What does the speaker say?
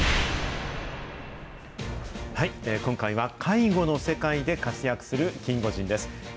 今回は、介護の世界で活躍するキンゴジンです。